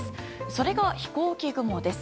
それが、飛行機雲です。